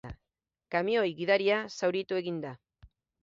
Kamioi gidaria zauritu egin da.